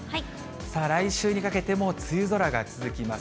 さあ、来週にかけても梅雨空が続きます。